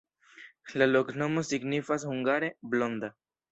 La loknomo signifas hungare: blonda.